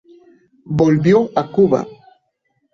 Volvió a Cuba.